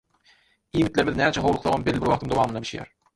Iýmitlerimiz näçe howluksagam belli bir wagtyň dowamynda bişýär